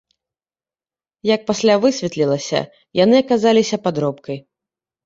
Як пасля высветлілася, яны аказаліся падробкай.